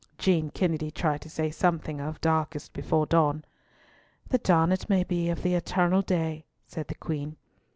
Jean Kennedy tried to say something of "Darkest before dawn." "The dawn, it may be, of the eternal day," said the Queen.